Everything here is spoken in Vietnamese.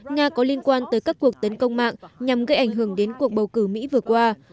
nga có liên quan tới các cuộc tấn công mạng nhằm gây ảnh hưởng đến cuộc bầu cử mỹ vừa qua